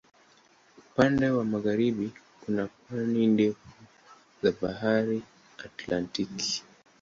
Upande wa magharibi kuna pwani ndefu ya Bahari Atlantiki.